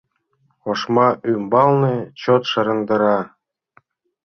Ошма ӱмбалне чот шыраҥдара.